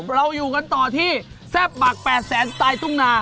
เราอยู่กันต่อที่แซ่บหมัก๘แสนสไตล์ทุ่งนา